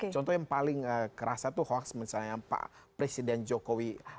contoh yang paling kerasa itu hoax misalnya pak presiden jokowi